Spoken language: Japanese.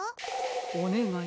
「おねがい！